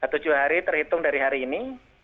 tujuh hari terhitung dari hari ini